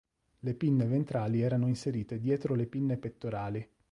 Le pinne ventrali erano inserite dietro le pinne pettorali.